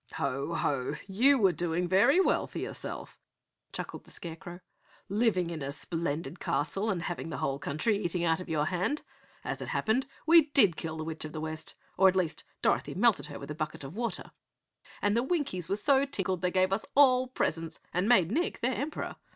"Ho ho! You were doing very well for yourself!" chuckled the Scarecrow, "living in a splendid castle and having the whole country eating out of your hand. As it happened, we did kill the witch of the West, or at least Dorothy melted her with a bucket of water and the Winkies were so tickled they gave us all presents and made Nick their Emperor.